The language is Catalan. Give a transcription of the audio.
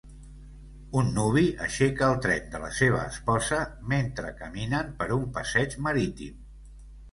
Un nuvi aixeca el tren de la seva esposa mentre caminen per un passeig marítim.